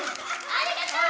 ありがとう！